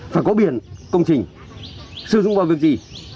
phải có biển công trình sử dụng vào việc gì